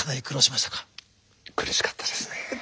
苦しかったですね。